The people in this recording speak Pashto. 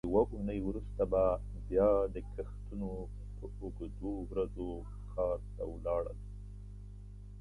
یوه اوونۍ وروسته به بیا د کښتونو په اوږدو ورځو کار ته ولاړل.